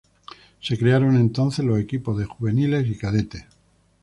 Se crearon entonces los equipos de juveniles y cadetes.